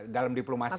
dalam diplomasi ya